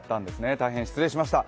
大変失礼しました。